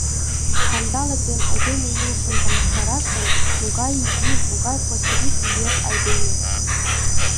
Сандалык ден айдеме илышым таҥастараш гын, могай изи, могай пычырик лиеш айдеме!